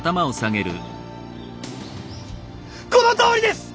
このとおりです！